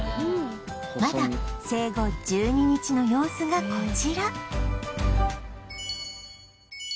まだ生後１２日の様子がこちら